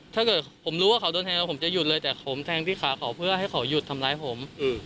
ถ้าเกิดผมรู้ว่าเขาโดนแทงผมจะหยุดเลยแต่ผมแทงที่ขาเขาเพื่อให้เขาหยุดทำร้ายผม